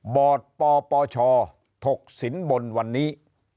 บปปชถกสินบลวันนี้